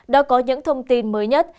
đã có những thông tin mới nhất